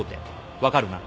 分かるな？